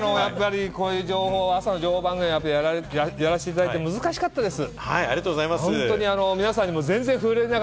こういう朝の情報番組やらせていただいて、難しかったです。